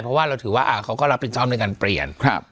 เพราะว่าเราถือว่าเขาก็รับผิดชอบในการเปลี่ยน